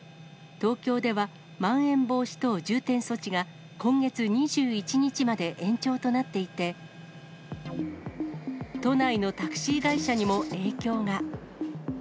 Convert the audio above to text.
東京では、まん延防止等重点措置が、今月２１日まで延長となっていて、都内のタクシー会社にも影響が。